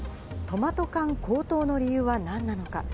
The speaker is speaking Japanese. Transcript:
トマト缶高騰の理由はなんなのか。